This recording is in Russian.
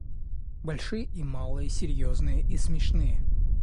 большие и малые, серьезные и смешные.